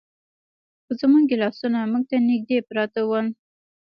خو زموږ ګیلاسونه موږ ته نږدې پراته ول.